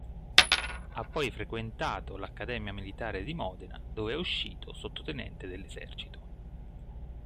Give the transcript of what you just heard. Ha poi frequentato l'accademia militare di Modena, dove è uscito sottotenente dell'esercito.